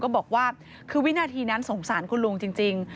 บอกว่าคือวินาทีนั้นสงสารคุณลุงจริง